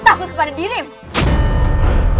takut kepada dirimu